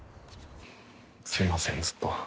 すいませんずっと。